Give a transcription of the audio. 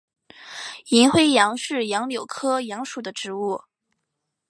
银灰杨是杨柳科杨属的植物。